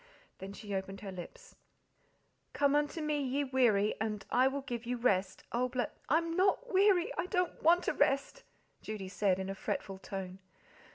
Then she opened her lips: "Come unto Me, ye weary, And I will give you rest, Oh, bl "I'm not weary, I don't WANT to rest," Judy said, in a fretful tone.